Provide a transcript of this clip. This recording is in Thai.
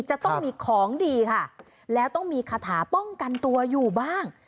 จะต้องมีของดีค่ะแล้วต้องมีคาถาป้องกันตัวอยู่บ้าง